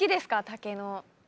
竹の。